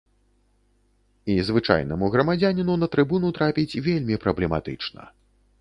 І звычайнаму грамадзяніну на трыбуну трапіць вельмі праблематычна.